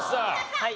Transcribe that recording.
はい。